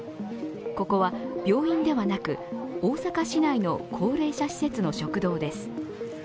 ここは病院ではなく、大阪市内の高齢者施設の食堂です。